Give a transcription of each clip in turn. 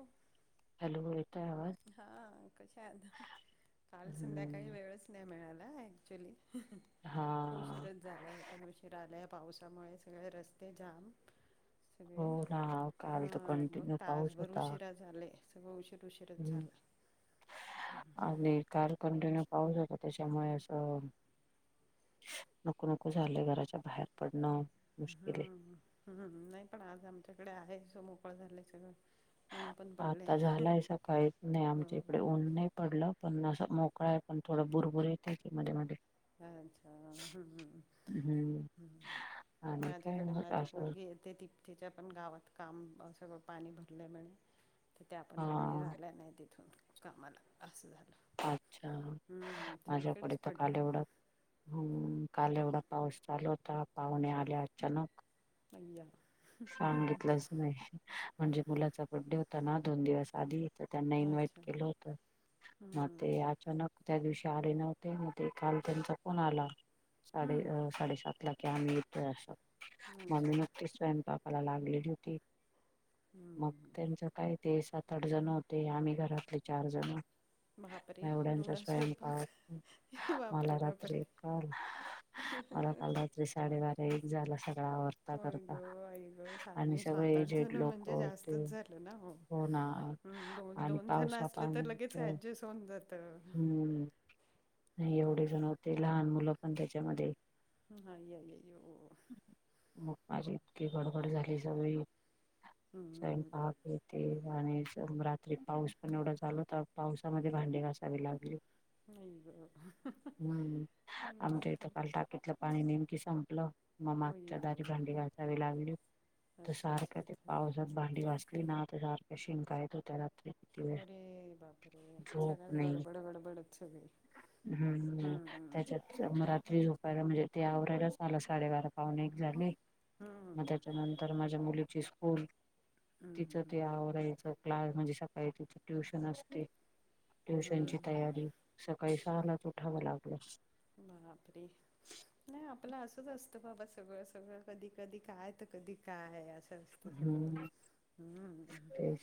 हो. हॅलो! आवाज हा.. कशात आहात? काल संध्याकाळी हम्म वेळच नाही मिळायला.. ॲक्च्युली हा खूपच उशीरच झाला आहे.. पण उशीरा आले.. पावसामुळे सगळे रस्ते जाम हो सगळे.. ना काल तर ह.. लगभग कंटिन्यू पाऊस तासभर उशीरा आले.. सगळ उशीर उशी हम् आणि काल कंटिन्यू पाऊस होता.. त्याच्यामुळे असं नको नको झालं.. घराच्या बाहेर पडणं मुश्किल आहे हम्म हम्म.. नाही पण आज आमच्याकडे आहे सो मोकळ झालंय सगळं ऊन पण पडलंय. आता झालाय सकाळीच.. काहीच नाही हो आमच्या इकडे हो ऊन नाही पडलं.. पण असं मोकळा आहे.. पण थोडं बुरबुर येतय की मध्ये मध्ये अच्छा्.. हम्म.. हम्म आणि काय माझ्याकडे मग माझी असं पोरगी येते ती तिच्या पण गावात काम सगळं, पाणी भरल्यामुळे तर त्या आपण कोणी हा राहिल्या नाही तिथं कामाला असं झालं अच्छा! हम्म माझ्याकडे सगळीकडेच तर पडला काल एवढ हम.. काल एवढा पाऊस चालू होता.. पाहुणे आल्या अचानक दंग्या सांगितलंच नाही म्हणजे मुलाचा बड्डे होता ना.. दोन दिवस आधी तर त्यांना इन्व्हाइट अच्छा केलं होतं मग हम्म ते अचानक त्या दिवशी आले नव्हते.. मग ते काल त्यांचा फोन आला साडे हम्म साडेसात ला की आम्ही येतोय असं.. अच्छा मी नुकतीच स्वयंपाक मला लागलेली होती.. मग हम्म त्यांच काय ते सात आठ जण होते.. आम्ही घरातले चार जण बापरे! एवढा स्वयंपाक? मला बापरे रात्री बापरे! काल ह मला हा.. काल रात्री साडेबारा एक झाला सगळ आवर होय ग.. आई ग शाणे सात आठ एजेड जण लोक म्हणजे ते जास्तच झालं ना हो हम. दोन आणि दोन जण पावसा असलं, तर लगेच पाण्याचं ऍडजस्ट होऊन जातं हम्म.. नाही एवढे जण होते लहान मुलं पण त्याच्यामध्ये ह.. आई आई हे हो.. मग माझी इतकी गडबड झाली सगळी हम.. अरे बापरे! आणि रात्री पाऊस पण एवढा चालू होता पावसामध्ये भांडे घासावे लागले आई ग हम्म हम्म आमच्या इथं काल चालतंय टाकीतलं पाणी नेमकी संपलं. मग आई मागच्या ग दारी भांडी घाचावी लागली तर अच्छा अच्छा सारख्या ते अच्छा पाऊस. भांडी घासली ना त्यारख्या शिंका येत होत्या रात्री. वेळ अरे बापरे. झोप सगळाच नाही गडबड गडबड आमच्या घरी हम्म हम्म. मग रात्री झोपायला म्हणजे ते आवरायलाच आलं साडेबारा पाहणे एक झाले. मग हम्म त्याच्यानंतर माझ्या मुलीची स्कूल तिचं ते आवरायचं. क्लास म्हणजे सकाळी तिचे ट्युशन असते. हम्म ट्युशनची तयारी सकाळी सहा लाच उठावं लागलं. बापरे. नाही आपलं असंच असतं बाबा सगळं सगळं कधी कधी काय तर कधी काय असं तसं सगळं हम्म.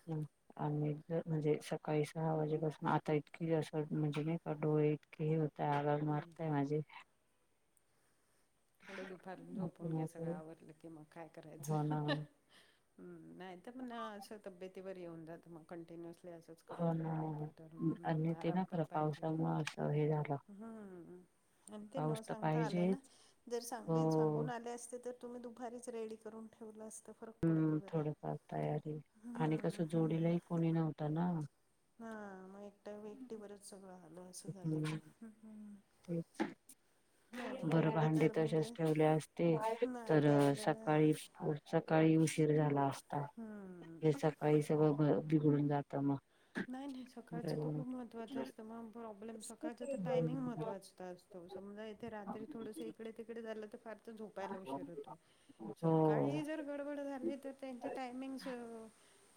हम्म. आणि जर म्हणजे सकाळी सहा वाजेपासून आता इतकी असं म्हणजे नाही का डोळे इतकेही होत आग आग हम्म. मारताय माझे. थोडं दुपार नको झोपून घ्या सगळं नको. आवडलं की मग काय करायचं. हो ना हम्म नाही तर पण असं तब्येतीवर येऊन जातं मग कंटिन्युअस आपण असंच हो करत ना राहिलो पण तर आणि ते ना आराम पण खरं पाहिजे. पावसामुळे हे झालं. हम्म आणि ते न पाऊस तर सांगता आले पाहिजे ना जर सांग हो सांगून आले असते तर तुम्ही दुपारीच रेडी करून ठेवलं असत. हम्म थोडफार तयारी आणि हम्म कसं जोडीलाही कोणी नव्हतं ना. ह मग एकट एकटी वरच सगळं आल. हम्म. नाही बाबा बर एवढे भांडे तर म्हणजे तशच ठेवले असते नाही तर ते आपल्याला सकाळी ढ सकाळी उशीर झाला असता हम्म हे सकाळी सगळं बिघडून जातं मग. नाही नाही सकाळचं तर खूप महत्त्वाचं असतं मग प्रॉब्लेम सकाळचं तर टायमिंग महत्त्च अस असं तो समजा इथे रात्री थोडंस इकडे तिकडे झालं तर फार तर झोपायला उशीर होतो हो सकाळी जर गडबड झाली तर त्यांचे टायमिंग्स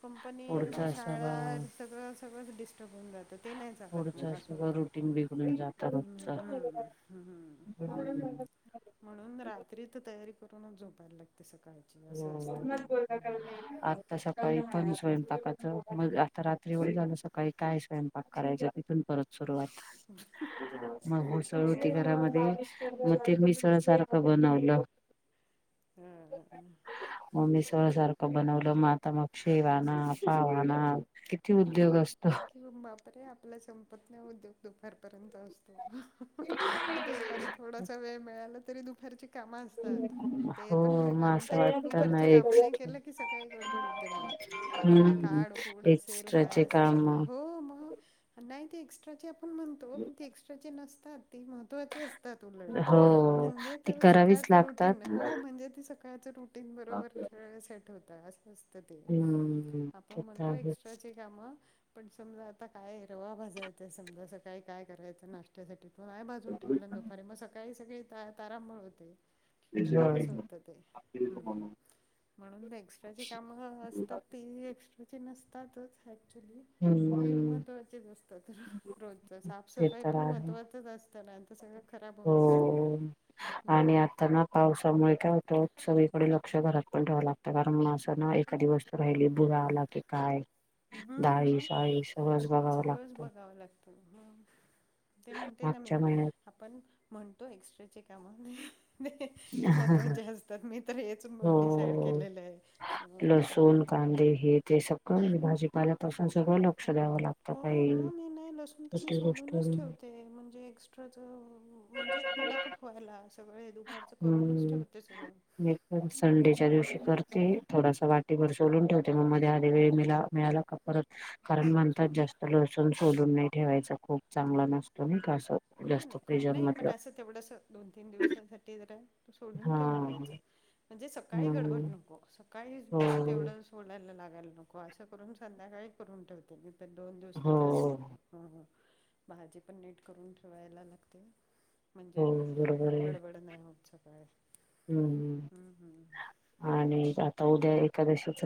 कंपनी आणि पुढचा सगळा शाळा सगळं सगळंच डिस्टर्ब होऊन जात. ते नाही चालत मग पुढचा अस सगळं होत रुटीन बिघडून जात हम्म रोजच हम्म हम्म. [inaudible] म्हणून रात्री तर तयारी करूनच झोपायला लागते सकाळ. [inaudible] आता सकाळी पण स्वयंपाकाचं मग आता रात्री एवढे झालं सकाळी काय स्वयंपाक करायच्या तिथून परत सुरुवात [inaudible] मग उसळ हो. होती घरामध्ये मग ते मिसळ सारखं बनवलं. हम्म. मग मिसळ सारखं बनवलं मग आता शेवाना पाव आणा. किती उद्योग असतो. कि बापरे आपल्या संपत नाही उद्योग दुपारपर्यंत अस दुपारी थोडासा वेळ मिळाला तरी दुपारीची काम असतात ते पण हो मग आणि असं ते पण वाटतं ना दुपारची एक काम नाही केलं की सकाळी गडबड होते मग. काय हम्म काडकूड असेल एक्स्ट्राचे काय काम असेल.. हो मग नाही ते एक्स्ट्राचे आपण म्हणतो पण ते एक्स्ट्राचे नसतात. महत्वाची असतात उलट हो म्हणजे ती करावीच सकाळच रुटीन लागतात हो म्हणजे ते सकाळ..... सकाळचं रुटीन बरोबर सेट होता असं असतं ते. हम्म आपण ते तर म्हणतो आहेच एक्स्ट्राचे काम.. पण समजा आता काय ह रवा भाजायचंय समजा स काळी काय करायचं नाश्त. त्यासाठीरवा भाजून ठेवलं दुपारी मग सकाळी सगळी तारांबळ होते. असं होतं ते हम्म हम्म.... होय म्हणून एक्स्ट्राची काम असतात तेी एक्स्ट्राची नसतातच ऍक्चुली.. तेी हम्म महत्त्वाचीच असतात रोजच ते साफसफाई तर पण आहे महत्त्वाचच असत.. तर सगंळ खराब.. हो होऊन जातं. हम्म आणि आता ना पावसामुळे काय होत सगळीकडे ल..... अक्ष घरात पण राहावं लागतं कारण मग असं ना एखादी वस्तु राहिली भुरा आला की काय? डाळी मग साळी सगळंच बघाव लागतं. तर ते म्हणते ना मी. मागच्या महिन्यात आपण म्हणतो एक्स्ट्राचे काम.... ते महत्त्वाचे असतात मी तर हेच हो डिसाइड केलेलं आहे अ...... लसूण कांदे हे ते स. भाजीपाल्यापासून सगळं लक्ष द्यावं लागतं हो काही मग गोष्ट.... ते म्हणजे...... म्हणजे पटापट व्हायला सगळे दुपारी. हम्म मि तर संडेच्या दिवशी करत.... ते थोडासा वाटीभर सोलून ठेवते मग मध्ये आध वेळ मिला मिळाला का परत.. कारण परत म्हणतात हो जास्त लसून सोडून नाही ठेवायच खूप चांगला नसतो मी का असं. नाही जास्त नाही खूप फ्रीजर नाही पण मधलं असं तेवढंस दोन तीन दिवसाांसाठी जरा. त सोडून हा ठेवून द्यायचं म्हणजे सकाळी गडबड हम्म नको सकाळी हो तेवढं.. सोडायला लागायला नको असं करून संध्याकाळी करून ठेवते मी तर दोन हो दिवसाच असों.. हो भाजी पण नीट करून ठेवायला लागते. हो म्हणजे बरोबर आहे गडबड नाहीय होत सकाळी. हम्म हम् आणि आता उद्या एकादशीच.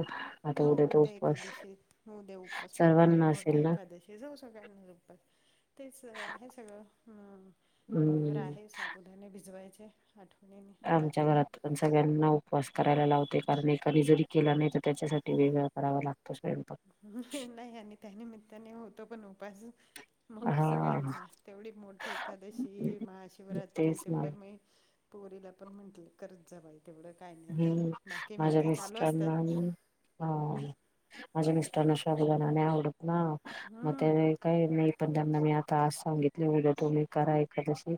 हो तो उद्या उपवास एकादशी हो दे्या उपास मोठा आहे सर्वांना असेल मोठे ना एकादशी. हे जाऊ सगळ्यांना ल तेच आहे सगळं ह भगर हम्म आहे. पुधाने भिजवायचे. आठवणीने. आमच्या रात्री घरात........ पण सगळ्यांना उपवास करायला लावते कारण एकाने जरी केला नाही तर त्याच्यासाठी वेग करावा लागतो स्वयंपाक. नाही आणि त्या निमित्ताने होतं पण उपवास. मग हा सगळ्यांचा तेवढी मोठी एकादशी महाशिवरात्री तेच ना तेवढं म....... पोरीला पण म्हंटलं करत जा बाई. केवढं काय न [inaudible] तर हम्म बाकी माझ्या माझे चालू असत मिस्टरांना हा माझ्या मिस्टरना साबुदाणा नाय आवडत ना मग ते हम्म [inaudible] पण त्यांना मी आता आज सांगितले वेगल तुम्ही करा एखादशी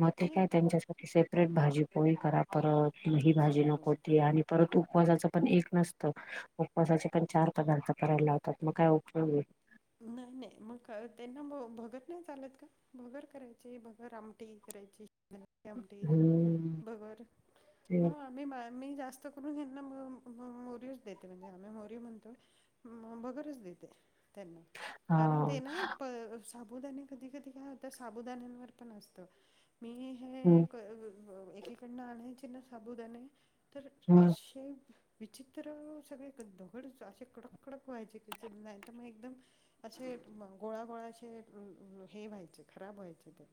मग ते नाही काय त्यांच्यास [inaudible] [inaudible] भाजी पोळी करा परत ही भाजी बरोबर नकोती आणि.... परत उपवासाचं पण एक नसतं उपवासाचे पण चार पदार्थ करायला लावतात मग काय उपयो नाही नाही मग त्यांना म भगर नाय चालत का? भगर करायचे भगर आमटी करायची [inaudible] एवढी हम्म भगर ते [unintelligible] मी म मी जास्त करून यांना म-अ-म मोरियोच देते म्हणजे आम्ही मोरीयो म्हणतो. म भगरच देते, त्यांना हा कारण ते ना प साबुदाणे कधी कधी काय होत. साबुदाण्यांवर पण असत मी हे हम्म [unintelligible] एकेकडन आणायचेना साबुदाणे तर हम्म अशे विचित्रर सगळे दगड असे कडक कडक व्हायचे की जर नाय तर मग एकदम असे म गोळा गोळा असे म अ हे व्हायचे खराब व्हायचे ते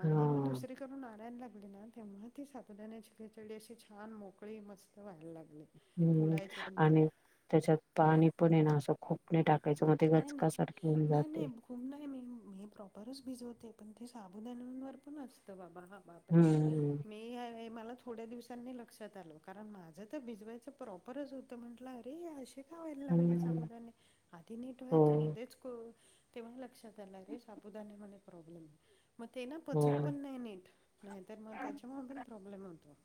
आणि मग हा दुसरी क जेव्हा नारायण लागले ना तेव्हा ते साबुदाण्याची खिचडी अशी छान मोकळी मस्त व्हायला लागली. हम्म फुलायचे पण ते आणि त्याच्यात पाणी पण येना असं खुप नाही टाकायचं मग ते गचकासारखी होऊन जाते. नाय मी मी प्रॉपरच भिजवते पण ते साबुदाण्यावर पण असतं बाबा. बापरे हम्म मी ह्या ह्या मला थोड्या दिवसांनी लक्षात आल कारण माझं तर भिजवायचं प्रॉपरच होत. त म्हंटलं अरे हे असे का होयला लागले हम्म साबुदाणे, आधी नीट हो व्हायचे मध् हेच कळू तेव्हा लक्षात आलं रे साबुदा मध्ये प्रॉब्लम आहे. मग ते ना पचत हो पण नाय नीट नाय तर मग त्याच्यामुळेपण प्रॉब्लेम होतो.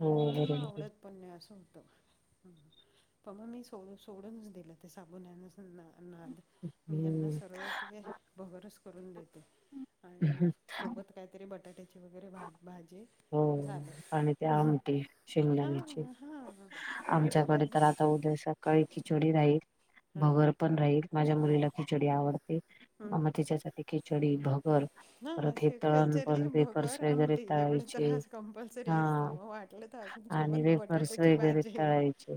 हो आणि म्हणून म बरोबर आवडत पण नाय असं होतं. प मग मी सोड-सोडूनच दिलं ते साबुदाण्याच. ना-नाद मी यांना हम्म सरळ ते भगरच करून देते. आणि सोबत काय तरी बटाट्याची वगैरे भा-भाजी झाल. त्या आमटी शेंगदाण्याची आणि आमच्याकडे डब्यात तर आता उदयसा काही खिचडी राहील हां भगर पण राहील माझ्या हां मुलीला खिचडी आवडते अ म तिच्या त्यासाठी खिचडी, भगर. हा परत हे तळण खिचडी पण वेफर्स भगर वगैरे आमटी एवढ तळायचे त्रास कंपल्सरी हा असत मग वाटलं त अजून आणि सोबत वेफर्स बटाट्याची वगैरे भाजी. तळायचे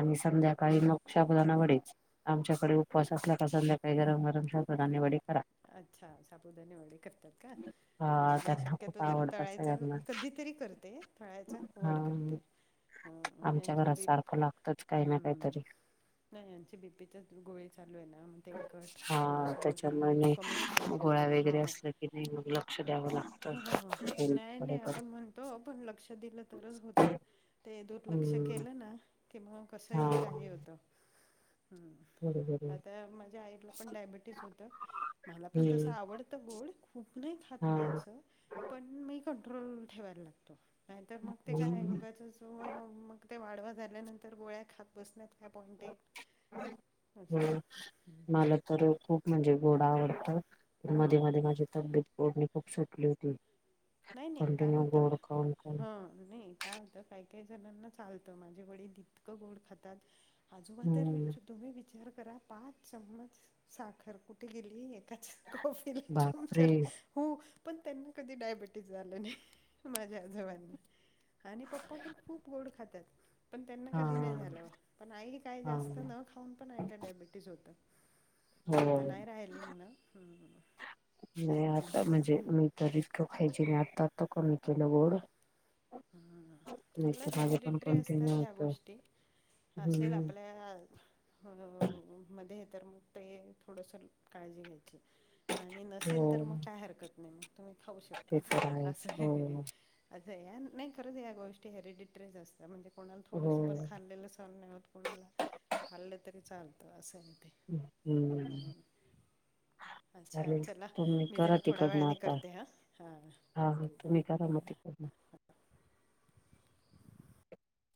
आणि संध्याकाळी मग साबुदाणा वडेच. आमच्याकडे उपवास असला तर संध्याकाळी गरम गरम साबुदाणे वडे करा. अच्छा साबुदाणे वडे करतात का? हा आम्ही त्यांना खूप शक्यतो जरा आवडतात तळायच सगळ्यांना कधीतरी करते. तळायच अवॉइड करते. हा. अ आमच्या यांची घरात बी सारखं लागतच काही ना अह काहीतरी नाय यांची बीपीचाच गोळी चालू एना, मग तेलकट हा थोडंसं हे त्याच्यामुळे मीठ. नाही कमीच गोळ्या केलेलये हा वगैरे असल्या की नाही मग लक्ष द्यावं लागतं हा हा [unintelligible] नाय हेल्थकडे नाय पण. आपण म्ह तो पण लक्ष दिलं तरच होत, ते दुर्लक्ष हम्म केलं ना. कि मग हा कसंही काही होतं. हम्म बरोबर आहे. आता माझ्या आईला पण डायबिटीस होतं. मला पण तसं हम्म आवडतं गोड, खूप नाही खात हा मी असं. पण मी कंट्रोल ठेवायला लागतो. नाहीतर मग ते काय हम्म उगाचंच [unintelligible] मग ते वाडवा झाल्यानंतर गोळ्या खात बसण्यात का पॉइंटे ये असं. हम्म [unintelligible] खूप म्हणजे घोडा आवडत मध्ये हो. मध्ये माझी तब्येत गोडणी खूप सुटली होती. नाही नाही काय कंटिन्यू होतं. गोड खाऊन खाऊन. नाही काय होतं काही काही जणांना चालतं माझे वडील इतकं गोड खातात. हम्म [unintelligible] विचार करा पाच चमच साखर कुठे गेली एकाच. कॉफी चमच बापरे! हो पण त्यांना कधी डायबटी ज झालं नाय माझ्या आजोबांना आणि पप्पा पण खूप गोड खात्यात. पण त्यांना हा कधी नाय झालं पण आई काय हा जास्त न हो खाऊन पण आईलं डायबिटीज होतं. आता नाय राहिली म्हणा, हम्म. नाही आता म्हणजे मी तर इतकं खायची नाही आता कमी केलं गोड. हां नाही थोड तर माझं पण हॅडिटेटरी असतात कंटिन्यू ह्या होत गोष्टी. असेल हम्म आपल्या. बरोबर, मध्ये तर ते थोडंसं काळजी घ्यायची. आणि हो नसेल तर मग काय हरकत नाही तुम्ही खाऊ शकता ते तर आहेच हो असं. असं या, नाही खरंच या गोष्टी हेरिडिटट्रेस असतात म्हणजे कोणाला हो थोडंसं पण खाल्लेलं नसाल नाही होत कोणाला खाल्लं तरी चालतं असं आहे ते. हम्म. अच्छा चालेल चला तुम्ही मी करा जरा थोड्या तिकडनं वेळाने आता करते हां हां हा ओके तुम्ही. थोडं करामती कर.